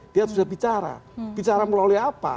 dia sudah bicara bicara melalui apa